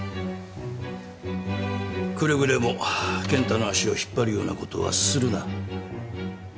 くれぐれも健太の足を引っ張るようなことはするな。